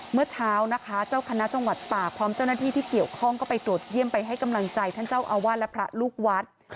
เมื่อเช้านะคะเจ้าคณะจังหวัดป่าพร้อมเจ้าหน้าที่ที่เกี่ยวข้องก็ไปตรวจเยี่ยมไปให้กำลังใจท่านเจ้าอาวาสและพระลูกวัด